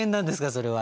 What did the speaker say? それは。